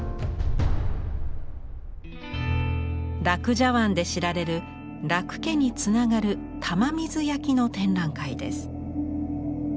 樂茶碗で知られる樂家につながる玉水焼の展覧会です。